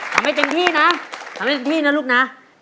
ทำให้เต็มที่นะทำให้เต็มที่นะลูกนะ